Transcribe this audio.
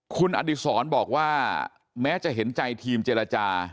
คุณอดิษรบอกว่าแม้จะเห็นใจทีมเจรจา